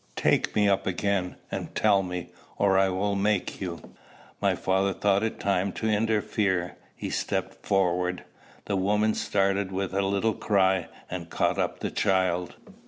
"Take me up again, and tell me, or I will make you." My father thought it time to interfere. He stepped forward. The mother started with a little cry, and caught up the child.